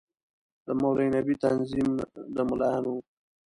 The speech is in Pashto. د مولوي نبي تنظیم د ملايانو وو.